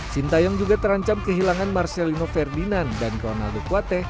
sintayong juga terancam kehilangan marcelino ferdinand dan ronaldo kuate